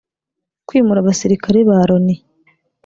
kwimura abasirikare ba Loni